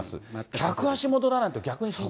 客足戻らないと、逆に。